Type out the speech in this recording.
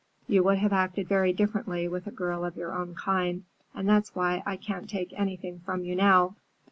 You would have acted very differently with a girl of your own kind, and that's why I can't take anything from you now.